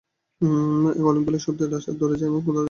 কলিংবেলের শব্দে রাশাদ দৌড়ে যায় দরজা খুলতে, তার পেছনে যায় গরু মানব।